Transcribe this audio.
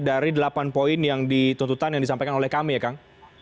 dari delapan poin yang dituntutan yang disampaikan oleh kami ya kang